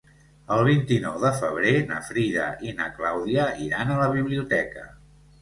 El vint-i-nou de febrer na Frida i na Clàudia iran a la biblioteca.